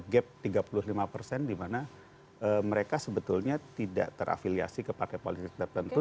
gap tiga puluh lima persen di mana mereka sebetulnya tidak terafiliasi ke partai politik tertentu